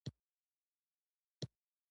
اداري پرېکړه باید عادلانه وي.